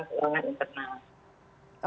takulah menggunakan penuh